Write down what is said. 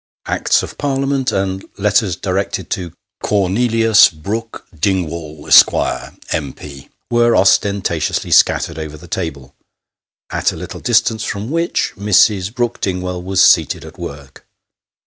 Acts of Parliament, and letters directed to " Cornelius Brook Dingwall, Esq., M.P.," were ostenta tiously scattered over the table ; at a little distance from which, Mrs. Brook Dingwall was seated at work.